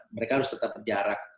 mereka harus tetap berjarak